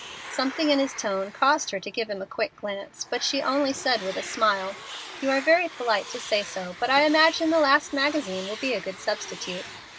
Something in his tone caused her to give him a quick glance, but she only said, with a smile, "You are very polite to say so, but I imagine the last magazine will be a good substitute."